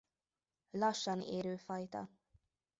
Lassan érő fajta.